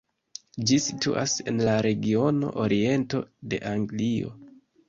Ĝi situas en la regiono oriento de Anglio.